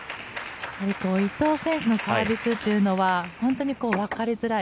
伊藤選手のサービスというのは本当にわかりづらい。